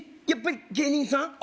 やっぱり芸人さん？